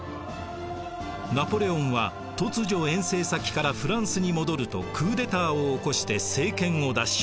ナポレオンは突如遠征先からフランスに戻るとクーデターを起こして政権を奪取。